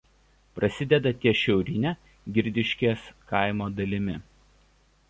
Prasideda ties šiaurine Girdiškės kaimo dalimi.